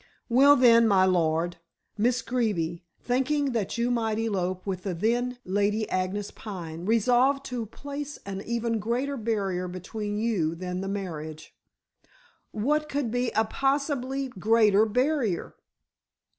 Well, then, my lord, Miss Greeby, thinking that you might elope with the then Lady Agnes Pine, resolved to place an even greater barrier between you than the marriage." "What could be a possibly greater barrier?"